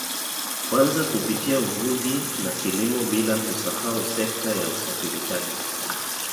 Kwanza kupitia uvuvi na kilimo bila kusahau sekta ya usafirishaji